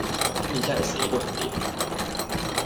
今次真係死都唔掂